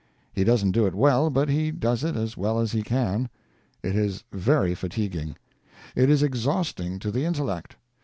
He doesn't do it well, but he does it as well as he can. It is very fatiguing. It is exhausting to the intellect.